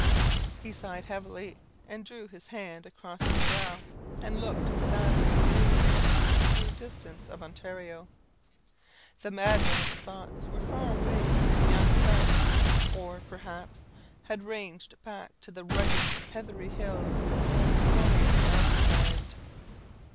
He sighed heavily, and drew his hand across his brow, and looked sadly and dreamily into the blue distance of Ontario. The madman's thoughts were far away with his young sons, or, perhaps, had ranged back to the rugged heathery hills of his own glorious mountain land!